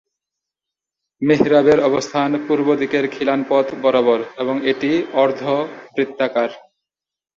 মিহরাবের অবস্থান পূর্বদিকের খিলান পথ বরাবর এবং এটি অর্ধ-বৃত্তাকার।